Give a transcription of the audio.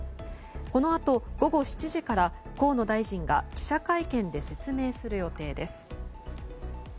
このあと午後７時から河野大臣が記者会見で説明する予定です。